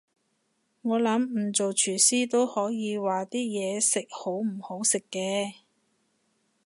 我諗唔做廚師都可以話啲嘢食好唔好食嘅